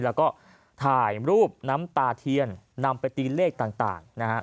แล้วก็ถ่ายรูปน้ำตาเทียนนำไปตีเลขต่างนะฮะ